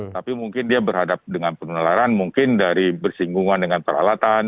tapi mungkin dia berhadapan dengan penularan mungkin dari bersinggungan dengan peralatan